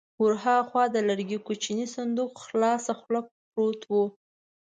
ور هاخوا د لرګي کوچينی صندوق خلاصه خوله پروت و.